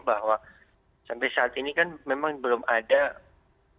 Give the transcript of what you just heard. bahwa sampai saat ini kan memang belum ada